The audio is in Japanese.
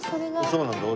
そうなんだよ。